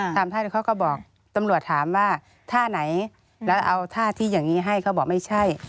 ท่านเขาก็บอกตำรวจถามว่าท่าไหนแล้วเอาท่าที่อย่างนี้ให้เขาบอกไม่ใช่